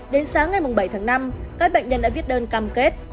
đến sáng ngày bảy tháng năm các bệnh nhân đã viết đơn cam kết